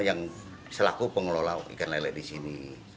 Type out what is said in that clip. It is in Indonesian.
yang selaku pengelola ikan lele di sini